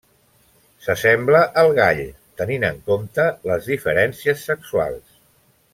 S'assembla al gall, tenint en compte les diferències sexuals.